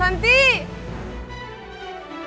aku mau pergi ke tempat yang lebih baik